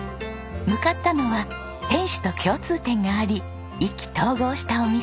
向かったのは店主と共通点があり意気投合したお店。